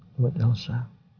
kita kasih support buat elsa